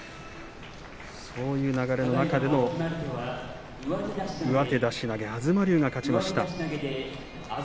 そういう流れの中での上手出し投げ、東龍が勝ちました。